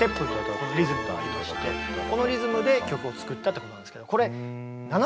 このリズムとありましてこのリズムで曲を作ったってことなんですけど。